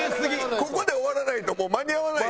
ここで終わらないともう間に合わないよ。